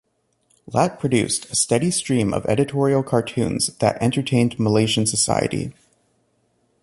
Lat produced a steady stream of editorial cartoons that entertained Malaysian society.